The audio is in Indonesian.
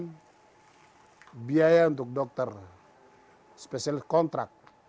kita siapkan biaya untuk dokter spesialis kontrak